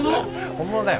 本物だよ。